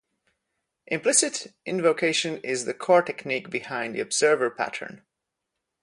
Implicit invocation is the core technique behind the observer pattern.